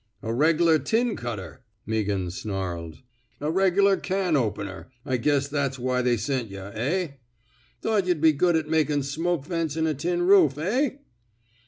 A regular tin cutter,*' Meaghan snarled. A regular can opener. I guess that's why they sent yuh, eb? Thought yuh'd be good at makin' smoke vents in a tin roof, eh?